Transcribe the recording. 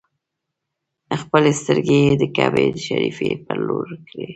خپلې سترګې یې د کعبې شریفې پر لور کړې.